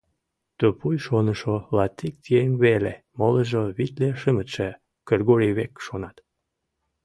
Тупуй шонышо латик еҥ веле, молыжо — витле шымытше — Кыргорий век шонат.